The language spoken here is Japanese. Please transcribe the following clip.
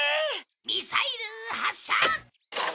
ミサイル発射！